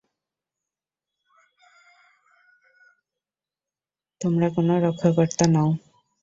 তোমরা কোন রক্ষাকর্তা নও!